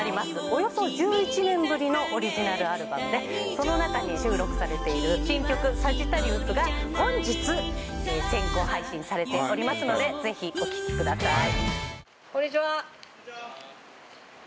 およそ１１年ぶりのオリジナルアルバムでその中に収録されている新曲『サジタリウス』が本日先行配信されておりますのでぜひお聴きください。